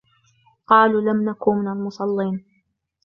قَالُوا لَمْ نَكُ مِنَ الْمُصَلِّينَ